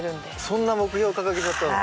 そんな目標掲げちゃったの？